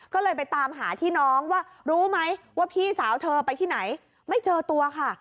ก็เลยไปตามหาพี่น้องว่ารู้ไหมว่าพี่สาวเธอไปที่ไหนไม่เจอตัวค่ะ